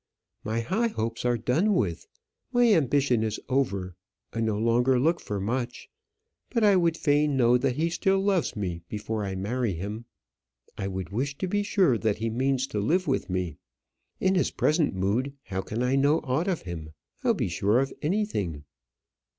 My high hopes are done with; my ambition is over; I no longer look for much. But I would fain know that he still loves me before I marry him. I would wish to be sure that he means to live with me. In his present mood, how can I know aught of him? how be sure of anything?"